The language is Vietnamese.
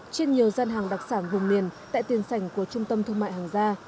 trên nhiều gian hàng đặc sản vùng miền tại tiền sảnh của trung tâm thương mại hàng gia